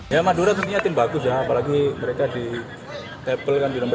ya madura tentunya tim bagus ya apalagi mereka di table kan di nomor satu